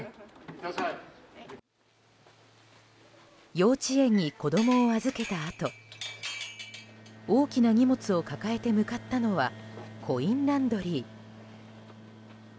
幼稚園に子供を預けたあと大きな荷物を抱えて向かったのはコインランドリー。